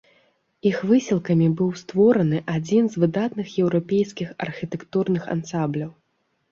Іх высілкамі быў створаны адзін з выдатных еўрапейскіх архітэктурных ансамбляў.